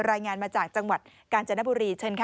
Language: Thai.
รายงานมาจากจังหวัดกาญจนบุรีเชิญค่ะ